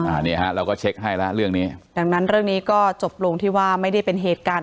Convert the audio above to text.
อันนี้ฮะเราก็เช็คให้แล้วเรื่องนี้ดังนั้นเรื่องนี้ก็จบลงที่ว่าไม่ได้เป็นเหตุการณ์